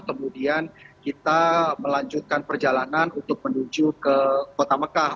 kemudian kita melanjutkan perjalanan untuk menuju ke kota mekah